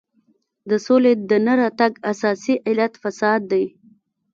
د سولې د نه راتګ اساسي علت فساد دی.